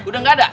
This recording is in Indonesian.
udah nggak ada